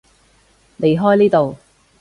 離開呢度